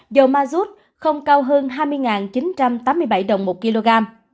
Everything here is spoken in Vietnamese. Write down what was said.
dầu mazut không cao hơn hai mươi chín trăm tám mươi bảy đồng một kg